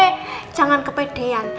eh jangan kepedean